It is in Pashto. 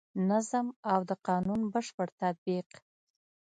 نظم او د قانون بشپړ تطبیق.